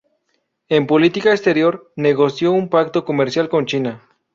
En política exterior, negoció un pacto comercial con China.